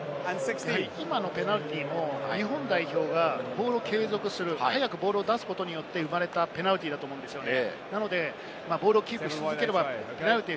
今のペナルティーも日本代表がボールを出すことによって生まれたペナルティーだと思うんですね。